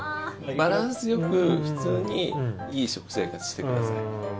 バランスよく、普通にいい食生活をしてください。